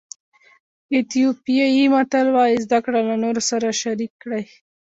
ایتیوپیایي متل وایي زده کړه له نورو سره شریک کړئ.